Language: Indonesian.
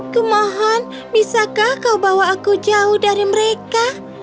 kumohon bisakah kau bawa aku jauh dari mereka